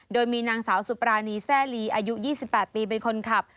โดยมีนางสาวสุปรานีแซ่ลีอายุ๒๘ปีเป็นคนขับ